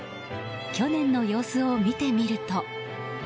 去年の様子を見てみると。